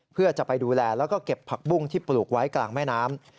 เพื่อจะไปดูแลแล้วก็เก็บผักบุ้งที่ปลูกไว้กลางแม่น้ำ